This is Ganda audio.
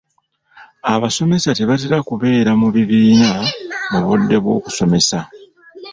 Abasomesa tebatera kubeera mu bibiina mu budde bw'okusomesa.